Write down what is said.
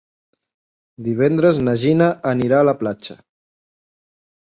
Divendres na Gina anirà a la platja.